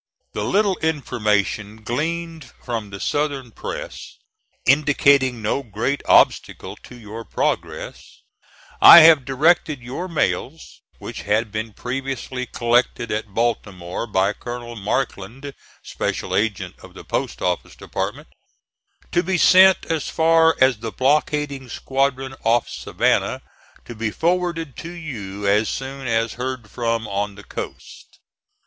The little information gleaned from the Southern press, indicating no great obstacle to your progress, I have directed your mails (which had been previously collected at Baltimore by Colonel Markland, Special Agent of the Post Office Department) to be sent as far as the blockading squadron off Savannah, to be forwarded to you as soon as heard from on the coast.